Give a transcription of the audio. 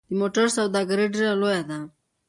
د موټرو سوداګري ډیره لویه ده